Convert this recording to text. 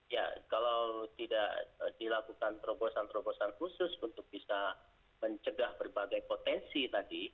ya kalau tidak dilakukan terobosan terobosan khusus untuk bisa mencegah berbagai potensi tadi